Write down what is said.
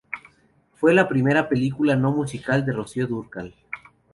Fue la primera película no musical de Rocío Dúrcal.